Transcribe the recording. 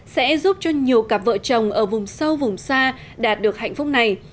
sẽ giúp cho nhiều cặp vợ chồng ở vùng sâu vùng xa đạt được hạnh phúc này